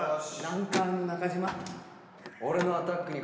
ランカーの中島。